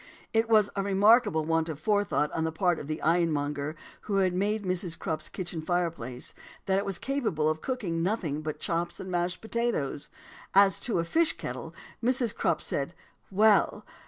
"It was a remarkable want of forethought on the part of the ironmonger who had made Mrs. Crupp's kitchen fireplace, that it was capable of cooking nothing but chops and mashed potatoes. As to a fish kettle, Mrs. Crupp said 'Well!